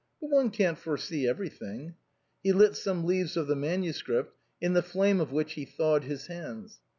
But one can't foresee everything." He lit some leaves of the manuscript, in the flame of which he thawed his hands.